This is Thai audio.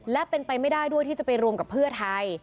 และเป็นไปไม่ได้ด้วยที่จะไปรวมกับเพื่อไทย